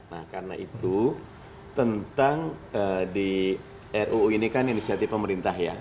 nah karena itu tentang di ruu ini kan inisiatif pemerintah ya